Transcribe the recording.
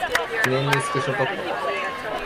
記念にスクショ撮っとこ